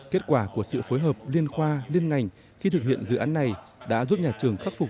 kết quả của sự phối hợp liên khoa liên ngành khi thực hiện dự án này đã giúp nhà trường khắc phục